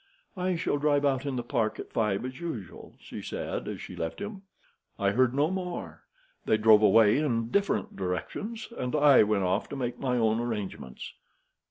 'I shall drive out in the park at five as usual,' she said, as she left him. I heard no more. They drove away in different directions, and I went off to make my own arrangements."